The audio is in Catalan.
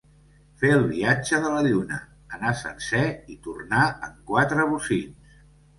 Fer el viatge de la lluna: anar sencer i tornar en quatre bocins.